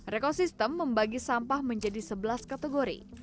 rekosistem membagi sampah menjadi sebelas kategori